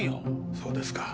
そうですか。